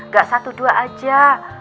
gak satu dua aja